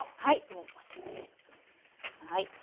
もうこれではい。